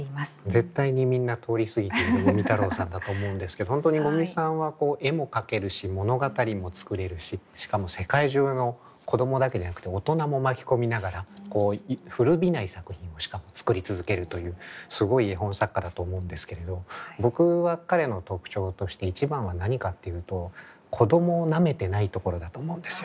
絶対にみんな通り過ぎてる五味太郎さんだと思うんですけど本当に五味さんは絵も描けるし物語も作れるししかも世界中の子供だけでなくて大人も巻き込みながら古びない作品をしかも作り続けるというすごい絵本作家だと思うんですけれど僕は彼の特徴として一番は何かっていうと子供をなめてないところだと思うんですよ。